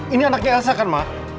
ini anaknya lasakan ma